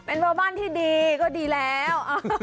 เป็นเบอร์บ้านที่ดีก็ดีแล้ว